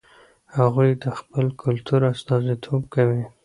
هغوی د خپل کلتور استازیتوب کوي.